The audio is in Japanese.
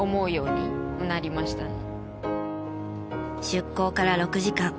出港から６時間。